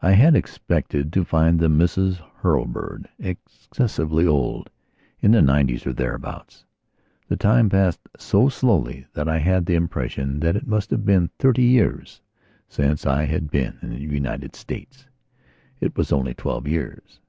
I had expected to find the Misses Hurlbird excessively oldin the nineties or thereabouts. The time had passed so slowly that I had the impression that it must have been thirty years since I had been in the United States. It was only twelve years.